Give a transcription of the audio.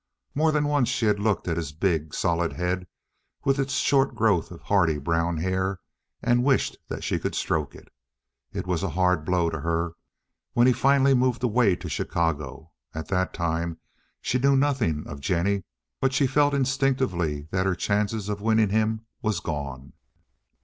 More than once she had looked at his big, solid head with its short growth of hardy brown hair, and wished that she could stroke it. It was a hard blow to her when he finally moved away to Chicago; at that time she knew nothing of Jennie, but she felt instinctively that her chance of winning him was gone.